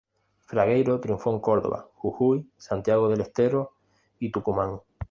Fragueiro triunfó en Córdoba, Jujuy, Santiago del Estero y Tucumán.